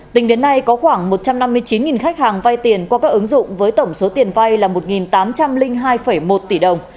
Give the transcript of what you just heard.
tính đến nay có khoảng một trăm năm mươi chín khách hàng vay tiền qua các ứng dụng với tổng số tiền vay là một tám trăm linh hai một tỷ đồng